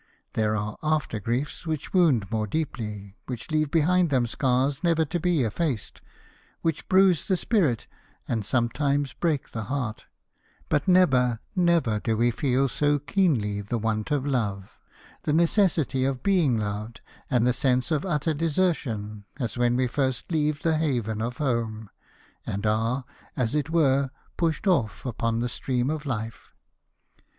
There are after griefs which wound more deeply, which leave behind them scars never to be effaced, which bruise the spirit, and sometimes break the heart : but never, never do we feel so keenly the want of love, the necessity of being loved, and the sense of utter desertion, as when we first leave the haven of home, and are, as it were, pushed off upon the stream of life.